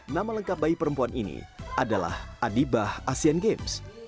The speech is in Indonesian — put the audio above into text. nama lengkap bayi perempuan ini adalah adibah asian games